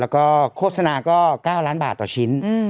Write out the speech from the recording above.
แล้วก็โฆษณาก็๙ล้านบาทต่อชิ้น